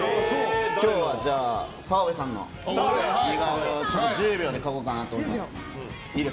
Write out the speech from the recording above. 今日は澤部さんの似顔絵を１０秒で描こうかなと思います。